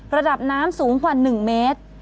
ระดับน้ำสูงกว่า๑เมตร